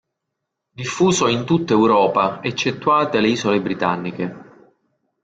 Diffuso in tutta Europa eccettuate le isole Britanniche.